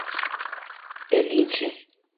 El Ing.